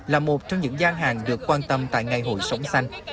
là một trong những gian hàng được quan tâm tại ngày hội sống xanh